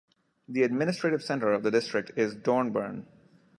The administrative center of the district is Dornbirn.